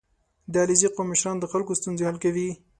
• د علیزي قوم مشران د خلکو ستونزې حل کوي.